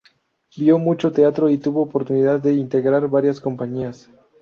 Vio mucho teatro y tuvo oportunidad de integrar varias compañías.